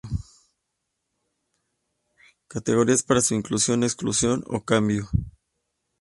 Categorías para su Inclusión, Exclusión o Cambio.